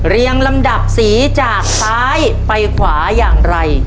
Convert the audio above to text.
ลำดับสีจากซ้ายไปขวาอย่างไร